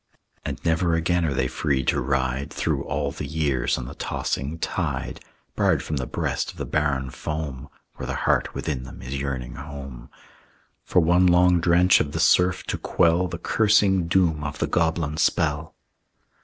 And never again they are free to ride Through all the years on the tossing tide, Barred from the breast of the barren foam, Where the heart within them is yearning home, For one long drench of the surf to quell The cursing doom of the goblin spell.